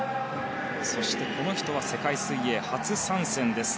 そしてこの人は世界水泳初参戦です。